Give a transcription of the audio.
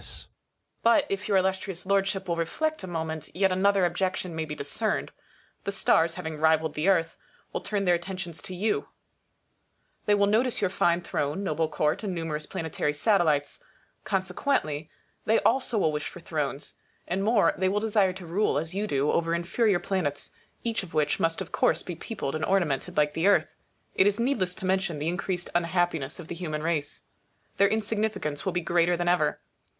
But, if your Illustrious Lordship will reflect a moment, yet another objection may be dis cerned. The stars, having rivalled the Earth, will turn their attentions to you. They will notice your fine throne, noble court, and numerous planetary satellites. Consequently, they also will wish for thrones. And more, they will desire to rule, as you do, over inferior planets, each of which must of course be peopled and ornamented like the Earth. It is needless to mention the increased unhappiness of the human race. Their insignificance will be greater than ever.